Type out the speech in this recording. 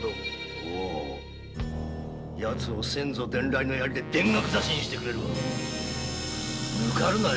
奴を先祖伝来のヤリで「田楽刺し」にしてくれるわぬかるなよ。